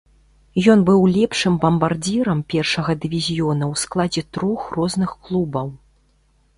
Ён быў лепшым бамбардзірам першага дывізіёна ў складзе трох розных клубаў.